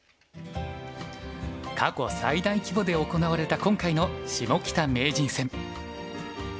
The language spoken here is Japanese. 過去最大規模で行われた今回のシモキタ名人戦。